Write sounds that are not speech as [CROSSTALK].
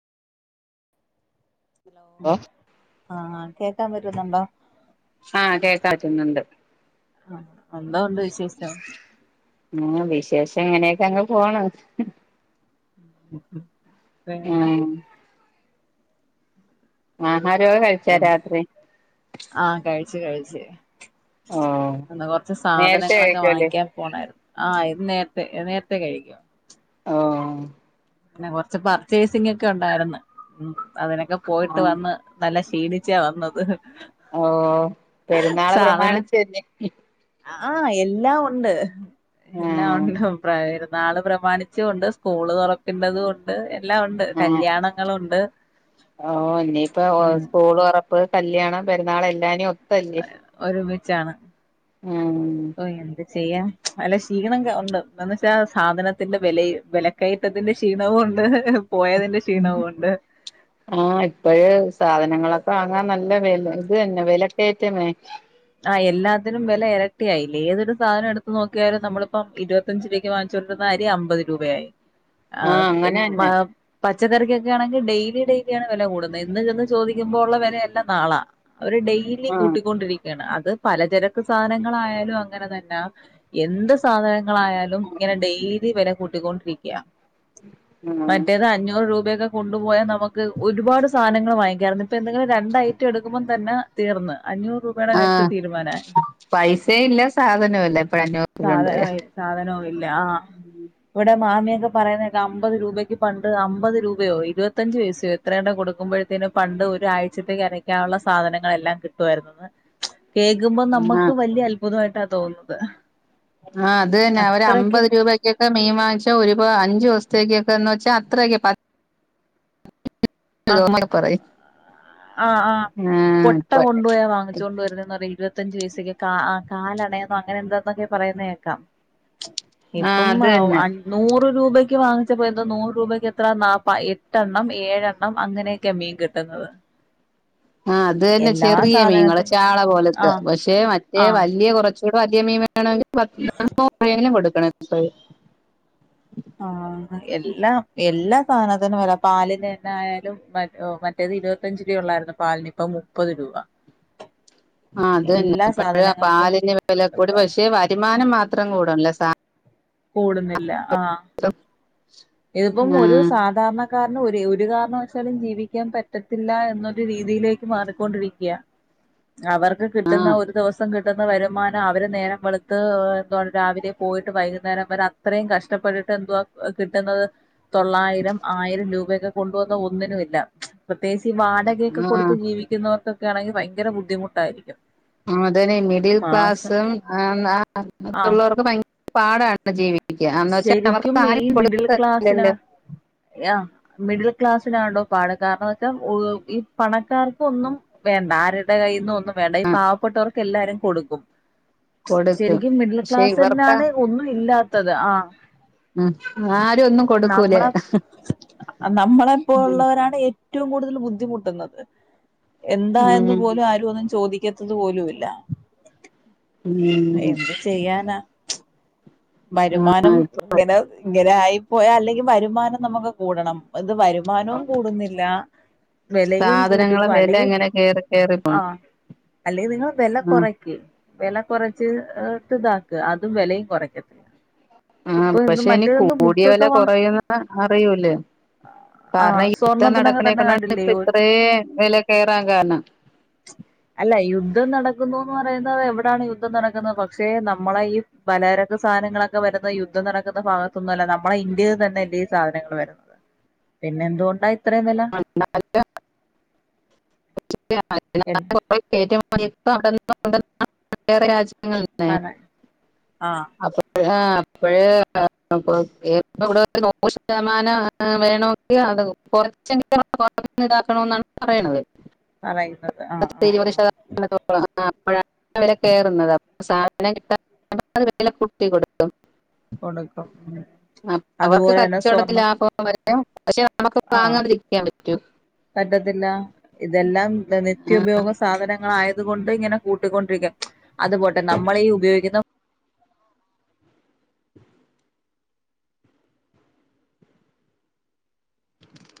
Hello ഓ ആഹ് കേക്കാപറ്റ്ന്നുണ്ടൊ? ആഹ് കേക്കാപറ്റ്ന്നുണ്ട്. ആഹ് എന്താ ഉണ്ട് വിശേഷം? ഓ വിശേഷഇങ്ങനെക്കങ് പോണ് [UNINTELLIGIBLE] ആഹ്. ആഹരോകേ കഴിച്ചാ രാത്രി? ആഹ് കഴിച് കഴിച്ച് ഓഹ് ഇന്ന് കൊറച്ച് നേരത്തെ സാധനങ്ങളൊക്കെ കഴിക്കുവല്ലേ വാങ്ങിക്കാൻ പോണായിരുന്നു ആഹ് ഇത് നേരത്തെ നേരത്തെ കഴിക്കും. ഓഹ്. പിന്നെ കൊറച്ച് പർച്ചേസിങൊക്കെണ്ടായിര്ന്ന് അപ്പതിനൊക്കെ പോയിട്ട് ആഹ് വന്ന് നല്ല ക്ഷീണിച്ചാ വന്നത്. ഓ പെരുന്നാള് പ്രമാണിച്ച്തന്നെ ആ ആ എല്ലാംഉണ്ട് എല്ലാം ആഹ് ഉണ്ട് പ്രായ ന്നാള് പ്രമാണിച്ചൂണ്ട് സ്കൂള്തൊറക്കേണ്ടത്ണ്ട് എല്ലാം ഉണ്ട് ആഹ് കല്യാണങ്ങളുണ്ട് ഓ ഇനിയിപ്പ ഉം സ്കൂള്തൊറപ്പ് കല്യാണം പെരുന്നാളെല്ലാനിയൊപ്പല്ലേ ഒരുമിച്ചാണ് ഓ ന്തെ ചെയ്യാം നല്ല ക്ഷീണം ക ഉണ്ട് എന്ന് വെച്ചാ സാധനത്തിന്റെ വില വിലക്കയ ത്തിന്റെ ക്ഷീണവുണ്ട് പോയതിന്റെ ക്ഷീണവുണ്ട്. ആഹ് ഇപ്പഴ് സാധനങ്ങളൊക്കെ വാങ്ങാൻ നല്ല വില ത് തന്നെ വിലക്കയറ്റെന്നെ ആ എല്ലാത്തിനും വെല എരട്ടിയായില്ലെ ഏതൊരു സാധനെട്ത്ത് നോക്കിയാലും നമ്മളിപ്പം ഇരുപത്തി ഇരുപത്തഞ്ച് രൂപക്ക് വാങ്ങിചൊട്ത്ത്ന്ന് അരി അമ്പ ത് രൂപയായി ആഹ് അഹ് അങ്ങനെ മ തന്നെ പച്ചക്കറിക്കൊക്കെയാണെങ്കി ഡെയിലി ഡെയിലിയാണ് വെല കൂട്ന്നത് ഇന്ന് ചെന്ന് ചോദിക്ക്മ്പോ ഉള്ള വിലയല്ല നാളാ അവര് ഡെയിലി ആഹ് കൂട്ടിക്കൊണ്ടിരിക്കാണ് അത് പലചരക്ക് സാധനങ്ങളായാലും അങ്ങനെ തന്നാ. എന്ത് സാധനങ്ങളായാലും ഇങ്ങനെ ഡെയിലി വില കൂട്ടിക്കൊണ്ടിരിക്ക. ആഹ് മറ്റേത് അഞ്ഞൂറ് രൂപയൊക്കെ കൊണ്ടുപോയാ നമക്ക് ഒരുപാട് സാധനങ്ങൾ വാങ്ങിക്കാർന്ന് ഇപ്പൊ എന്തെങ്കിലും രണ്ടഐറ്റം എട്ക്കുമ്പോ തന്നെ തീർന്ന് അഞ്ഞൂറ് രൂപ ആഹ് പൈസേം ഇല്ല സാധനവ് ല്ല ഇപ്പ സാധന അഞ്ഞൂറപ്യകൊണ്ട് പോയാൽ സാധനവും ഇല്ല, ആഹ് ഇവ്ടെ മാമിയൊക്കെ പറയുന്നത് കേൾക്ക അമ്പത് രൂപയ്ക്ക് പണ്ട് അമ്പത് രൂപയോ ഇരുപത്തഞ്ച് പൈസയോ എത്രയോണ്ടെ കൊടുക്കുമ്പോഴത്തേനും പണ്ട് ഒരാഴ്ചത്തേക്ക് അരയ്ക്കാനുള്ള സാധനങ്ങളെല്ലാം കിട്ടുമായിരുന്നുന്ന്. കേൾക്കുമ്പോ നമ്മക്ക് ആഹ് വല്ല്യ അത്ഭുതമായിട്ടാണ് തോന്നുന്നത്. ആഹ്, അത് തന്നെ അവര് അത്രക്ക് അമ്പത് രൂപ ക്കക്കെ മീൻ വാങ്ങിച്ച ഓര് ഇപ്പൊ അഞ്ചു ദിവസത്തെക്കൊക്കെ എന്ന് വെച്ചാൽ അത്രക്കെ പ ആ [UNINTELLIGIBLE] പറയും. ആഹ്, ആഹ് കൊട്ട ആഹ് കൊണ്ട് പോയ വാങ്ങല്. ച്ചോണ്ട് വരുന്നന്ന് അറിയോ ഇരുപത്തഞ്ചു പൈസക്കൊക്കെ കാ കാലണയെന്നോ അങ്ങനെ എന്താന്നൊക്കെ പറയുന്ന കേൾക്കാം. ആഹ് ഇപ്പം അത് തന്നെ [UNINTELLIGIBLE] നൂറ് രൂപയ്ക്ക് വാങ്ങിച്ചപ്പോ എന്താ നൂറ് രൂപയ്ക്ക് എത്ര നാ എട്ടെണ്ണം ഏഴെണ്ണം അങ്ങനെ ക്കെ മീൻ കിട്ടുന്നത്. ആ അത് തന്നെ എല്ലാ ചെറിയ മീന്ങ്ങള് സാധനത്തിനും ചാള പോലത്തെ ആഹ് പക്ഷെ മറ്റേ ആഹ് വല്ല്യ കൊറച്ചൂടെ വല്ല്യ മീൻ മേ ടിക്കാണെങ്കിൽ മത്തി [UNINTELLIGIBLE] രൂപയെങ്കിലും കൊടുക്കണം [UNINTELLIGIBLE] ആഹ്, എല്ലാം എല്ലാ സാധനത്തിനും വില പാലിന് തന്നെ ആയാലും മ മറ്റ റ്റേത് ഇരുപത്തഞ്ച് രൂപ ഉള്ളായിരുന്നു പാലിന് ഇപ്പ മുപ്പത് രൂപ. ആഹ്, അത് തന്നെ എല്ലാ [UNINTELLIGIBLE] സാധനങ്ങൾക്കും പാലിന് വില കൂടി, പക്ഷെ വരുമാനം മാത്രം കൂടുന്നില്ല, സാ കൂടുന്നില്ല ആഹ് [UNINTELLIGIBLE] ഇതിപ്പം ഒരു ആഹ് സാധാരണ ക്കാരന് ഒര് ഒരു കാരണവശാലും ജീവിക്കാൻ പറ്റത്തില്ല എന്നൊരു രീതിയിലേക്ക് മാറിക്കൊണ്ടിരിക്കയാ അവർക്ക് കിട്ടുന്ന ആഹ് ഒരു ദിവസം കിട്ടു ട്ടുന്ന വരുമാനം അവര് നേരം വെളുത്ത് എന്തോന്ന് രാവിലെ പോയിട്ട് വൈകുന്നേരം വരെഅ ത്രയും കഷ്ടപ്പെട്ടിട്ട് എന്തുവാ കി ട്ടുന്നത് തൊള്ളായിരം ആയിരം രൂപയൊക്കെ കൊണ്ടുവന്ന ഒന്നിനുമില്ല. പ്രത്യേകിച്ച് ഈ വാടകയൊക്കെ ആഹ് കൊടുത്ത് ജീവിക്കുന്നവർക്കൊക്കെ ആണെങ്കിൽ ഭയങ്കരം ബുദ്ധിമുട്ടായിരിക്കും. ആഹ്, അതന്നെ മിഡിൽ മാസം ക്ലാസും ആഹ് [UNINTELLIGIBLE] ഭയ പാടാണ് ജീവിക്കാൻ, എന്ന് വെച്ച് ശരിക്കും അവർക്ക് ആരും കൊടുക്കാൻ ഇല്ലല്ലോ. ആഹ്, മിഡിൽ ക്ലാസ്സിനാടോ പാട് കാരണംഎന്ന് വച്ചാൽ ഓഹ് ഈ പണക്കാർക്ക് ഒന്നും വേണ്ട ആരുടെ കയ്യിൽന്ന് ഒന്നും വേണ്ട ഈ പാവപ്പെട്ടവർക്ക് എല്ലാരും കൊടുക്കും. കൊടുക്കും ശരിക്കും മിഡിൽ പക്ഷെ ക്ലാസ്സ് ഇവർക്ക് തന്നെയാണ് ഒന്നും ഇല്ലാത്തത് ആഹ്. ആഹ്, ആരു ഒന്നും കൊടുക്കൂല നമ്മളെ ഉം നമ്മളെപ്പോലുള്ളവരാണ് ഏ റ്റവും കൂടുതൽ ബുദ്ധിമുട്ടുന്നത്. എന്താന്ന് ഉം പോലും ആരും ഒന്നും ചോദിക്കത്തത് പോലും ഇല്ല. ല്ല ഉം എന്ത് ചെയ്യാന, ആ വരുമാനം ഇങ്ങനെ ഇങ്ങനെ ആയി പോയാ അല്ലെങ്കിൽ വരുമാനം നമുക്ക് കൂടണം ഇത് വരുമാനവും കൂടുന്നില്ല വിലയും കൂടി സാധനങ്ങളെ വില അങ്ങനെ കയറി, കയറി ആഹ് അല്ലെ പിന്നെ വില കൊറക്കി. വില കുറച്ച്ട്ട് ഇതാക്ക് അതും വിലയും കുറക്കത്തത്തില്ല. ആഹ്, പക്ഷെ ഇനി കൂടിയ വില ബുക്കൊക്കെ വാ കുറയോന്ന് അറിയൂല. ആഹ് കാരണം യുദ്ധം സ്വർണ്ണത്തിനൊക്കെ നടക്കണേ തന്നെ കൊണ്ടാണ് കണ്ടില്ലേ ഇപ്പോയിത്രീം വില കയറാൻ കാരണം. അല്ല യുദ്ധം നടക്കുന്നുന്ന് പറയുന്നത് എവിടാണ് യുദ്ധം നടക്കുന്നത് പക്ഷെ നമ്മളെ ഈ പലചരക്ക് സാധനങ്ങളൊക്കെ വരുന്നത് യുദ്ധം നടക്കുന്ന ഭാഗത്തൊന്നുല്ല നമ്മുടെ ഇന്ത്യയിൽ തന്നെ ഈ സാധനങ്ങള് വരുന്നത്. പിന്നെ എന്തുകൊണ്ടാ ഇത്രയും വില? [UNINTELLIGIBLE] [UNINTELLIGIBLE] പറ ആ [UNINTELLIGIBLE] [UNINTELLIGIBLE] [UNINTELLIGIBLE] പറയുന്നത് ആ ആ ആ [UNINTELLIGIBLE] കേറുന്നത് കൊടുക്കും ഉം [UNINTELLIGIBLE] അവർക്ക് അതുപോലെ തന്നെ കച്ചവടത്തിൽ സ്വർണ്ണ ലാഭം [UNINTELLIGIBLE] പക്ഷെ നമ്മക്ക് ആ വാങ്ങാതിരിക്കാൻ പറ്റുവോ പറ്റത്തില്ല ഇതെല്ലാം നിത്യ ഉപയോഗ സാധനങ്ങളായത്. കൊണ്ട് ഇങ്ങനെ കൂട്ടിക്കൊണ്ടിരിക്ക, അത്പോട്ടെ നമ്മള് ഈ ഉപയോഗിക്കുന്ന.